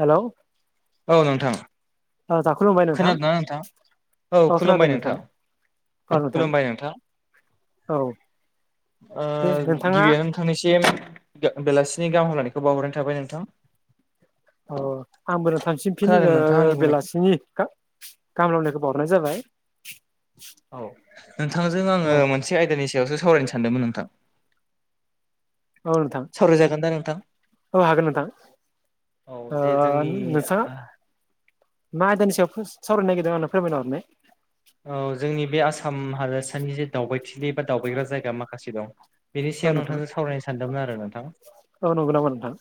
Hello औ नोंथां। ओ जाखुलुमबाय। खोनादों ना नोंथां औ खुलुमबाय नोंथां। खुलुमबाय नोंथां औ दे नोंथाङा गिबियावनो थांनिसिम बेलासिनि गाहाम हालानायखौ बावहरनाय थाबाय नोंथां। अ आंबो नोंथांनिसिम फिन खोनादों नोंथाङा आंनि बुंनायखौ बेलासिनि गाहाम हालामनायखौ बावनाय जाबाय औ नोंथांजों आङो ओ मोनसे आयदानि सायावसो सावरायनो सानदोंमोन नोंथां। औनोंथां सावरायजागोन दा नोंथां औ हागोन नोंथां। औ ओ दे जोंनि नोंथाङा मा आयदानि सायाव बोस सावरायनो नागिरदों आंनो फोरमायना हरनाय। औ जोंनि बे आसाम हादोरानि जे दावबायथिलि बा दावबायग्रा जायगा माखासे दं बेनि औ सायाव नोंथां नोंथांजों सावरायनो सानदोंमोन आरो नोंथां। औ नंगौ नामा नोंथां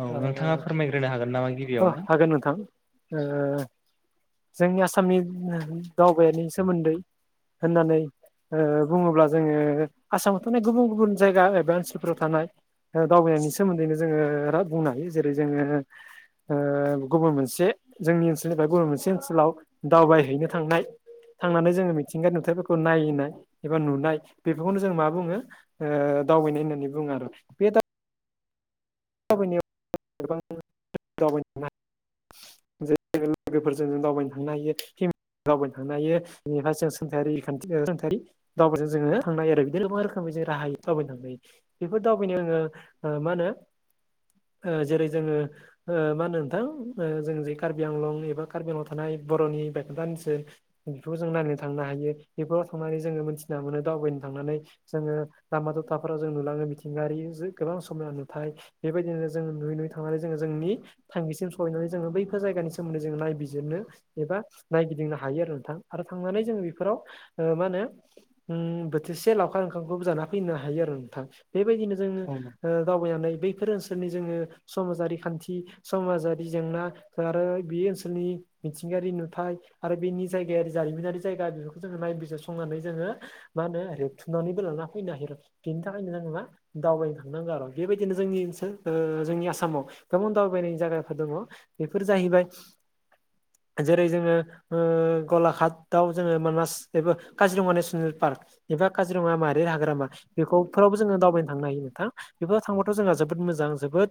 औ नोंथाङा फोरमायग्रोनो हागोन नामा औ गिबियावनो हागोन नोंथां‌। जोंनि आसामनि दावबायनि सोमोन्दै होननानै बुङोब्ला जोङो आसामावथ' नै गुबुन गुबुन जायगा एबा ओनसोलफोराव थानाय दावबायनायनि सोमोन्दैनो जोङो बिराद बुंनो हायो जेरै जोङो गुबुन मोनसे जोंनि ओनसोलनिफ्राय गुबुन मोनसे ओनसोलाव दावबायहैनो थांनाय थांनानै जोङो मिथिंगानि नुथायफोरखौ नायनाय एबा नुनाय बेफोरखौनो जों मा बुङो दावबायनाय होननानै बुङो आरो बे दावबायनायाव [unintelligible] [unintelligible] लोगोफोरजों जों दावबायनो थांनो हायो। दावबानो थांनो हायो बेनिफ्राय जों सोंथारि खान्थि सोंथारि दावबायजों जोङो थांनो हायो आरो [unintelligible] बेफोर दावबायनो आङो मा होनो जेरै जोङो मा होनो नोंथां जों जे कार्बि आंलं एबा कार्बि आंलंआव थानाय बर'नि बायखोन्दा ओनसोल बेफोरखौ जों नायनो थांनो हायो बेफोराव थांनानै जोङो मोनथिना मोनो दावबायनो थांनानै जोङो लामा दथाफोराव जों नुलाङो मिथिंगायारि गोबां समना नुथाय बेबायदिनो जों नुयै नुयै थांनानै जोङो जोंनि थांखिसिम सहैनानै जोङो बैफोर जायगानि सोमोन्दै जोङो नायबिजिरनो एबा नायगिदिंनो हायो आरो नोंथां आरो थांनानै जों बेफोराव मा होनो बोथिसे लावखार ओंखामखौबो जाना फैनो हायो आरो नोंथां बेबायदिनो जोङो औ दावबायनानै बैफोर ओनसोलनि जोङो समाजारि खान्थि समाजारि जेंना आरो बे ओनसोलनि मिथिंगायारि नुथाय आरो बेनि जायगायारि जारिमिनारि जायगा बेफोरखौ जोङो नायबिजिर संनानै जोङो मा होनो रेबथुमनानैबो लाना फैनो हायो बिनि थाखायनो जोंङो मा दावबायनो थांनांगौ आरो बेबायदिनो जोंनि जोंनि आसामाव गोबां दावबाय जायगाफोर दङ बेफोर जाहैबाय जेरै जोङो गलाघाटआव जोङो मानास बेबो काजिरङा नेसनेल पार्क एबा काजिरङा माहारि हाग्रामा बेखौ फोरावबो जोङो दावबायनो थांनो हायो नोंथा बेफोराव थांबथ' जोंहा जोब बोद मोजां जोबोद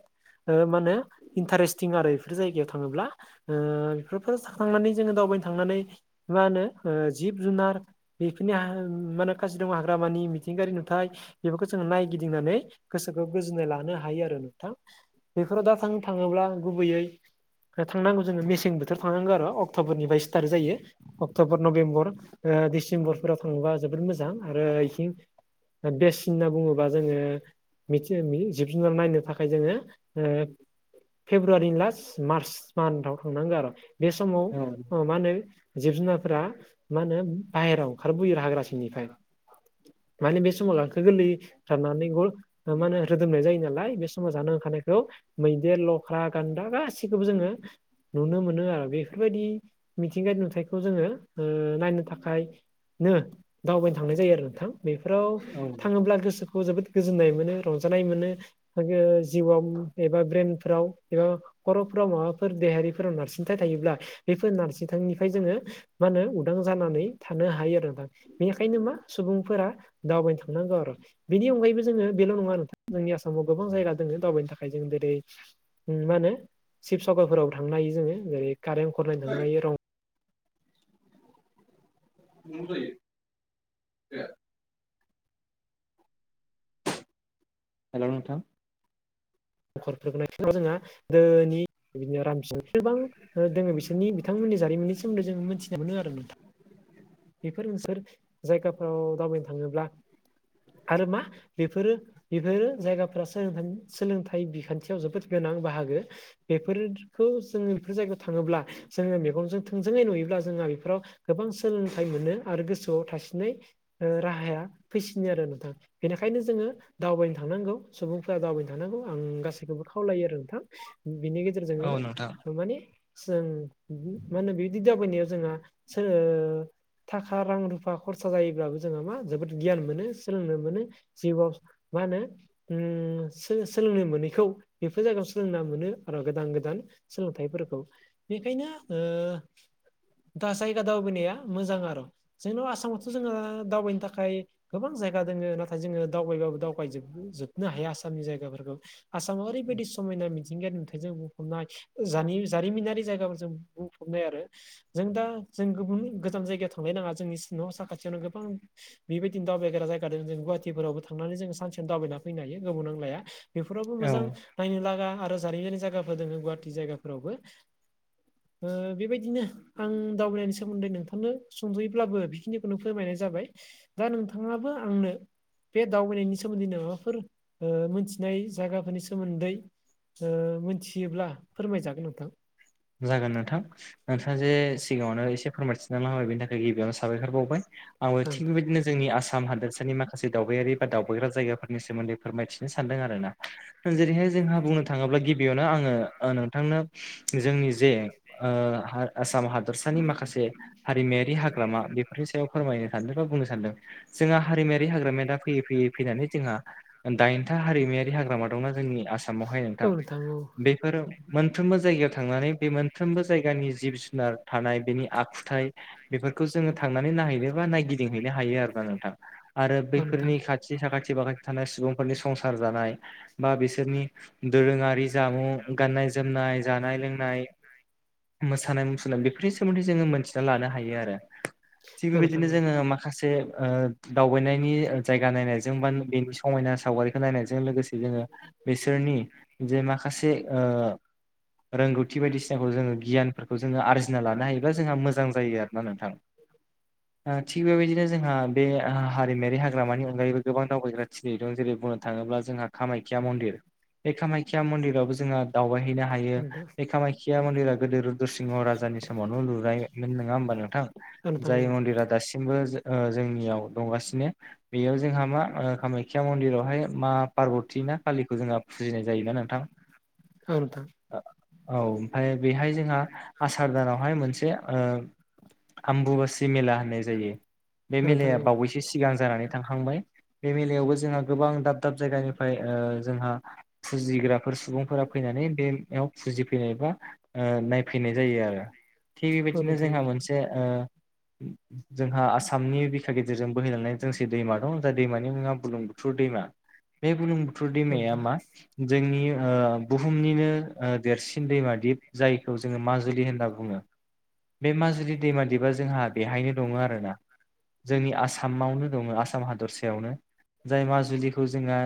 माने इन्टारेस्टिं आरो बेफोर जायगायाव थाङोब्ला। बेफोरफोर थांनानै जोङो दावबायनो थांनानै मा होनो जिब जुनार बेफोरनि मा होनो काजिरङा हाग्रामानि मिथिंगायारि नुथाय बेफोरखौ जोङो नायगिदिंनानै गोसोखौ गोजोननाय लानो हायो आरो नोंथां बेफोराव दाथां थाङोब्ला गुबैयै थांनांगौ जोङो मेसें बोथोर थांनांगौ आरो अक्ट'बरनिफ्राय स्टार्ट जायो। अक्ट'बर नभेम्बर डिसेम्बरफोराव थाङोबा जोबोद मोजां आरो इथिं बेस होनना बुङोबा जोङो [unintelligible] जुनार नायनो थाखाय जोङो फेब्रुवारिनि लास्ट मार्च मान्थाव थांनांगौ आरो बे समाव औ मा होनो जिब जुनारफोरा मा होनो बाहेरायाव ओंखारबोयो हाग्रा सिंनिफ्राय माने बे समाव गांखो गोरलै राननानै माने रोदोमनाय जायो नालाय बे समाव जानो ओखारनायखौ मैदेर, लख्रा, गान्दा गासिखौबो जोङो नुनो मोनो आरो बेफोरबायदि मिथिंगायानि नुथायखौ जोङो नायनो थाखाय दावबायनो थांनाय जायो आरो नोंथां। बेफोराव औ नोंथां। थाङोब्ला गोसोखौ जोबोद गोजोननाय मोनो रंजानाय मोनो। जिउआव एबा ब्रेनफ्राव एबा खर'फोराव माबाफोर देहायारिफोराव नारसिनथाय थायोब्ला बेफोर नारसिनथायनिफ्राय जोङो मा होनो उदां जानानै थानो हायो आरो दा बेनिखायनो मा सुबुंफोरा दावबायनो थांनांगौ आरो। बेनि अनगायैबो जोङो बेल' नङा नोंथां जोंनि आसामाव गोबां जायगा दोङो दावबायनो थाखाय जों जेरै मा होनो शिबसागरफोरावबो थांनो हायो जोङो जेरै कारेन खर नायनो थांनो हायो रं [unintelligible] हेल' नोंथां। [unintelligible] जोंहा दोनि बिदिनो रामसि सोरबां जोङो बिसोरनि बिथांमोननि जारिमिननि सोमोन्दै जोंङो मिथिनो मोनो आरो नोंथां। बेफोर नोंसोर जायगाफोराव दावबायनो थाङोब्ला आरो मा बेफोरो बेफोरो जायगाफ्रा सोलोंथाइ बिखान्थियाव जोबोद गोनां बाहागो बेफोरखौ जोङो बेफोर जायगायाव थाङोब्ला जोङो मेगनजों थोंजोङै नुयोब्ला जोंहा बेफोराव गोबां सोलोंथाइ मोनो आरो गोसोआव थासिनै राहाया फैसिनो आरो नोंथां। बेनिखायनो जोङो दावबायनो थांनांगौ सुबुंफ्रा दावबायनो थांनांगौ आं गासैखौबो खावलायो आरो नोंथां। बिनि गेजेरजोंनो औ नोंथां माने जों मा होनो बेबायदि दाबायनायाव जोंहा थाखा रां रुफा खरसा जायोब्लाबो जोंहा मा जोबोद गियान मोनो सोलोंनो मोनो जिउआव। मानो सोलोंनो मोनैखौ बेफोर जायगायाव सोलोंना मोनो आरो गोदान गोदान सोलोंथाइफोरखौ बेखायनो दा जायगा दावबायनाया मोजां आरो जोंनाव आसामावथ' जोंहा दावबायनो थाखाय गोबां जायगा दोङो नाथाय जोङो दावबायबाबो दावबायजोब जोबनो हाया आसामनि जायगाफोरखौ आसामाव ओरैबायदि समायना मिथिंगायारि नुथायजों बुंफबनाय जारिमिनारि जायगाफोर जों बुंफबनाय आरो जों दा जों गुबुन गोजान जायगा जाय थांलाय नाङा जोंनि न' साखाथियावनो गोबां बेबायदिनो दावबायग्रा जायगा जों गुवाहाटिफोरावबो थांनानै जों सानसेयाव दावबायना फैनो हायो गोबाव नांलाया। बेफोरावबो औ मोजां नायनो लागा आरो जारिमिनारि जायगाफोर दोङो गुवाहाटि जायगाफोरावबो बेबायदिनो आं दावबायनायनि सोमोन्दै नोंथांनो सुंद'यैब्लाबो बेखिनिखौनो फोरमायनाय जाबाय दा नोंथाङाबो आंनो बे दावबायनायनि सोमोन्दै माबाफोर मोनथिनाय जायगाफोरनि सोमोन्दै मिथियोब्ला फोरमायजागोन नोंथां। जागोन नोंथां। नोंथाङा जे सिगाङावनो एसे फोरमायथिना लांबाय बेनि थाखाय गिबियावनो साबायखर बावबाय आंबो औ थिग बेबायदिनो जोंनि आसाम हादोरसानि माखासे दावबायारि बा दावबायग्रा जायगाफोरनि सोमोन्दै फोरमायथिनो सानदों आरो ना। जेरैहाय जोंहा बुंनो थाङोब्ला गिबियावनो आङो नोंथांनो जोंनि जे आसाम हादरसानि माखासे हारिमायारि हाग्रामा बेफोरनि सायाव फोरमायनो सानदों बा बुंनो सानदों जोंहा हारिमायारि हाग्रामाया दा फैयै फैयै फैनानै जोंहा दाइनथा हारिमायारि हाग्रामा दंना जोंनि आसामावहाय नोंथां बेफोर मोनफ्रोमबो जायगायाव थांनानै बे मोनफ्रोमबो जायगानि जिब जुनार थानाय बेनि आखुथाय बेफोरखौ जोङो थांनानै नायहैनोबा नायगिदिंहैनो हायो आरोना नोंथां आरो नोंथां बैफोरनि खाथि खाथि साखाथि बाखाथि थानाय सुबुंफोरनि संसार जानाय बा बिसोरनि दोरोङारि जामुं गाननाय जोमनाय जा नाय लोंनाय मोसानाय मुसुरनाय बेफोरनि सोमोन्दै जोङो मोनथिना लानो हायो। थायो आरो। थि औ औ नोंथां बेबायदिनो जोङो मासे ओ दावबाय जायगा नायनायजों बा बेनि समायना सावगारिखौ नायनायजों लोगोसे जोङो बिसोरनि जों माखासे ओ रोंगौथि बायदिसिनाखौ जोङो गियानफोरखौ जोङो आरजिना लानो हायोब्ला जोंहा मोजां जायो आरोना नोंथां। [inaudible] आ थिग बेबायदिनो जोंहा बे हारिमायारि हाग्रामानि अनगायैबो गोबां दावबायग्रा [unintelligible] दं जेरै बुंनो थाङोब्ला जोंहा कामाख्या मन्दिर बे कामाख्या मन्दिरावबो जोङो दावबायहैनो हायो बे खामाख्या मन्दिरा गोदो रुद्र' सिंह राजानि समावनो लुनायमोन नङा होमबा नोंथां औ नोंथां औ जाय मन्दिरा दासिमबो जो ओ जोंनियाव दंगासिनो बेयाव जोंहा मा ओ कामाख्या मन्दिरावहाय मा पार्बति ना खाालिखौ जोंहा फुजिनाय जायोना नोंथां। [inaudible] औ नोंथां ओ औ ओमफाय बेहाय जोंहा आसार दानावहाय मोनसे ओ आम्बुवासि मेला होननाय जायो बे मेलाया बावैसो सिगां जानानै थांखांबाय बे मेलायावबो जोंहा गोबां दाब दाब जायगानिफ्राय ओ जोंहा फुजिग्रा फोर सुबुंफोरा फैनानै बेयाव फुजिफैनाय बा नायफैनाय जायो आरो थिग औ नोंथां औ बेबायदिनो नोंथां औ नोंथां औ जोंहा नोंथां मोनसे ओ जोंहा आसामनि बिखा गेजेरजों बोहैलांनाय जोंसे दैमा दं जाय दैमानि मुङा बुलुं बुथुर दैमा बे बुरलुंबुथुर दैमाया मा जोंनि ओ बुहुमनिनो ओ देरसिन दैमा दिप जायखौ जोङो माजुलि होनना बुङो बे माजुलि दैमा दिपआ जोंहा बेहायनो दङो आरोना जोंनि आसामावनो दङो आसाम हादरसायावनो जाय माजुलिखौ जोंहा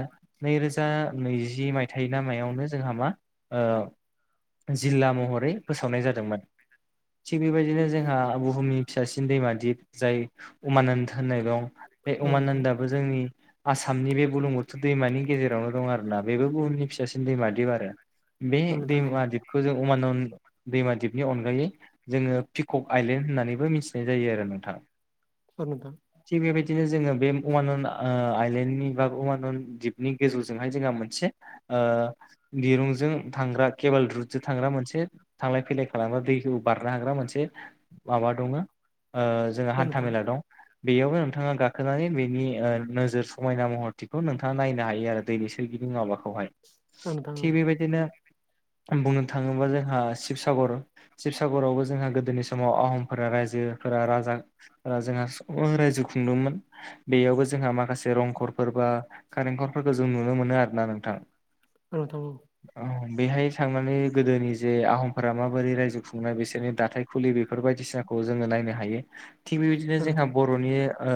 नै रोजा नैजि मायथाइ ना मायावनो जोंहा मा ओ जिल्ला महरै फोसावनाय जादोंमोन। थिग बेबायदिनो जोंहा बुहुमनि फिसासिन दैमा दि जाय उमानन्द होननाय दं बे उमानन्दआबो जोंनि आसामनि बे बुलुंबुथुर दैमानि गेजेरावनो दं आरोना बेबो बुहुमनि फिसासिन दैमा दिप आरो बे औ दैमा दिपखौ जों उमानन्द दैमा दिपनि अनगायै जोङो पिकक आइलेण्ड होन्नानैबो मिथिनाय जायो आरो नोंथां। औ नोंथां थिग बेबायदिनो जोङो बे उमानन ओ आइलेण्डनि बा अमानन दिपनि गोजौजोंहाय जोंहा मोनसे आ दिरुं जों थांग्रा केबोल रुटजों थांग्रा मोनसे थांलाय फैलाय खालामग्रा दैखौ बारनो हाग्रा मोनसे माबा दङो ओ जोंहा औ हान्था नोंथां मेला दं बेयावनो नोंथाङा गाखोनानै बेनि ओ नोजोर समायना महरथिखौ नोंथाङा नायनो हायो आरो दैनि सोरगिदिं माबाखौहाय थिग बेबायदिनो बुंनो थाङोब्ला जोंहा शिबसागर शिबसागरावबो जोंहा गोदोनि समाव आहमफोरा रायजोफोरा राजा ओ जोंहा सुबुङा रायजो खुंदोंमोन बेयावबो जोंहा माखासे रंघरफोर बा खारेंघरफोरखौ जों नुनो मोनो आरो ना नोंथां। औ नोंथां औ औ बेहाय थांनानै गोदोनि जे आहमफोरा माबोरै रायजो खुंनाय बिसोरनि दाथाय फुलि बेफोर बायदिसिनाखौ जोङो नायनो हायो थिग बेबायदिनो जोंहा बर'नि ओ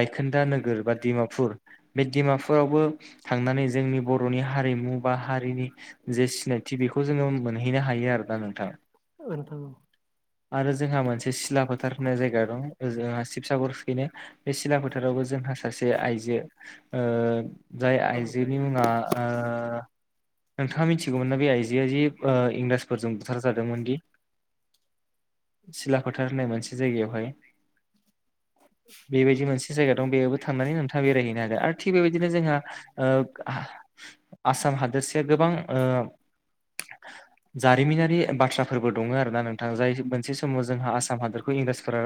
बायखोन्दा नोगोर बा डिमापुर बे डिमापुरावबो थांनानै जोंनि बर'नि हारिमु बा हारिनि जे सिनायथि बेखौ जोङो मोनहैनो हायो आरोना नोंथां औ नोंथां आरो जोंहा मोनसे सिला फोथार होननाय जायगा दं जोंहा शिबसागरखैनो बे सिला फोथारावबो जोंहा सासे आइजो ओ जाय आइजोनि मुङा ओ नोंथाङा मिथिगौमोनना बे आइजोआ जि इंराजफोरजों बुथारजादोंमोन दि सिला फोथार होननाय मोनसे जायगायावहाय बेबायदि मोनसे जायगा दं बेयावबो थांनानै नोंथाङा बेरायहैनो हागोन आरो थिग बेबायदिनो जोंहा ओ आसाम हादोरसाया गोबां ओ जारिमिनारि बाथ्राफोरबो दङ आरो ना नोंथां जाय मोनसे समाव जोंहा आसाम हादोरखौ इंराजफोरा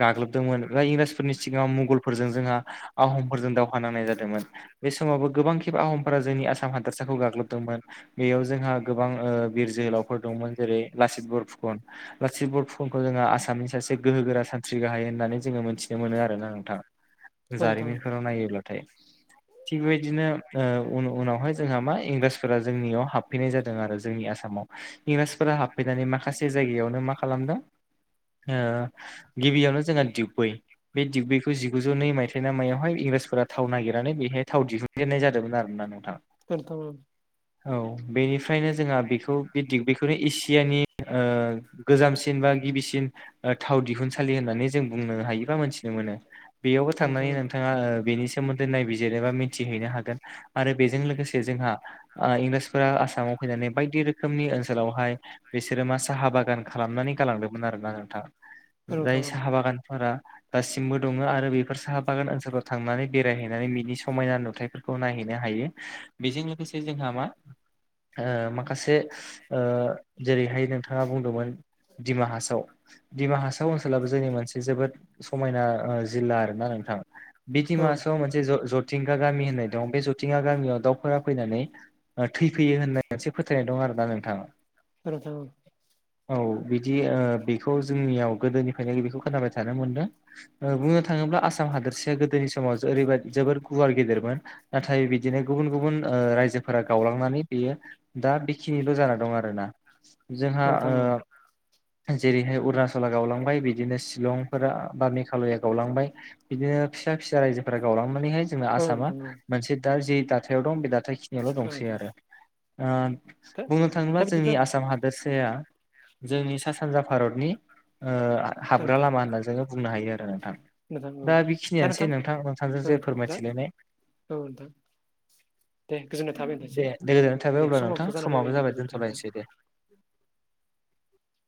गाग्लोबदोंमोन इंराजफोरनि सिगाङाव मुगलफोरजों जोंहा आहमफोरजों दावहा नांनाय जादोंमोन बे समावबो गोबां खेब आहमफोरा जोंनि आसाम हादोर साखौ गाग्लोबदोंमोन बेयाव जोंहा गोबां ओ बिर जोहोलावफोर दंमोन जेरै लासित बरफुखन लाचित बरफुखनखौ जोंहा आसामनि सासे गोहो गोरा सानथ्रि गाहाय होननानै जोङो मिथिनो मोनो आरोना नोंथाङा औ जारिमिनफोराव नायोब्लाथाय थिग बेदिनो ओ उनावहाय जोंहा मा इंराजफोरा जोंनियाव हाबफैनाय जादों आरो जोंनि आसामाव इंराजफोरा हाबफैनानै माखासे जायगायावनो मा खालामदों ओ गिबियावनो जोंहा दिगबै बे दिगबैखौ जिगुजौ नै मायथाइनि मायावहाय इंराजफोरा थाव नागिरनानै बेहाय थाव दिहुन दोननाय जादोंमोन आरोना नोंथां [inaudible] औ बेनिफ्रायनो जोंहा बेखौ बे दिगबैखौनो एसियानि ओ गोजामसिन बा गिबिसिन थाव दिहुनसालि होननानै जों बुंनो हायो बा मोनसे नुनो मोनो बेयावबो औ नोंथां थांनानै औ नोंथाङा बेनि सोमोन्दै नायबिजिरनो एबा मिथिहैनो हागोन आरो बेजों लोगोसे जोंहा इंराजफोरा आसामाव फैनानै बायदि रोखोमनि ओनसोलावहाय बिसोरो मा साहा बागान खालामनानै गालांदोंमोन आरोना नोंथां औ नोंथां जाय औ साहा बागान फोरा दासिमबो दङ आरो बेफोर साहा बागान ओनसोलाव थांनानै बेरायहैनानै बिनि समायना नुथाय फोरखौ नायहैनो हायो बेजों लोगोसे जोंहा मा ओ माखासे ओ जेरैहाय नोंथाङा बुंदोंमोन दिमा हासाव दिमा हासाव ओनसोलाबो जोंनि मोनसे जोबोद समायना जिल्ला आरोना नोंथां बि औ नोंथां डिमा औ हासावआव मोनसे ज जथिंगा गामि होननाय दं बे जथिंगा गामियाव दाउ फोरा फैनानै थैफैयो होननाय मोनसे फोथायनाय दं आरोना नोंथां औ नोंथां औ औ बिदि बेखौ जोंनियाव गोदोनिफ्रायनो बेखौ खोनाबाय थानो मोनदों बुंनो थाङोब्ला आसाम हादोरसाया गोदोनि समाव ओरैबाय जोबोद गुवार गेदेरमोन नाथाय बिदिनो गुबुन गुबुन ओ रायजोफोरा गावलांनानै बेयो दा बेखिनिल' जाना दं आरोना जोंहा औ नोंथां औ ओ जेरैहाय अरुणाचला गावलांबाय बिदिनो शिलंफोरा बा मेघालया गावलांबाय बिदिनो फिसा फिसा रायजोफोरा गावलांनानैहाय जोंना आसामा मोनसे दा जे दाथायाव दं बे दाथाय खिनियाल' औ दंसै नोंथां आरो ओ दा बुंनो थाङोब्ला दा जोंनि बिदिब्ला आसाम हादोर हादोरसाया जोंनि सा सानजा भारतनि ओ औ हाबग्रा नोंथां लामा होनना जोङो बुंनो हायो आरो नोंथां दा बेखिनियानोसै नोंथां नोंथांजों जे नोंथां फोरमायथिलायनाय औ दा दे गोजोन्नाय थाबाय दे होननायासिम दे गोजोननाय थाबाय दे अब्ला नोंथां समावथ' जाना समाबो फैबाय आंबो जाबाय गोजोन्थों नुदों दोनथ'लायनोसै दे